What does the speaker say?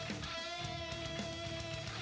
กลับไปกัน